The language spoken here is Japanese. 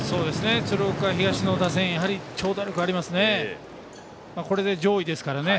鶴岡東の打線長打力がありますね。